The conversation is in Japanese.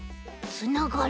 つながる。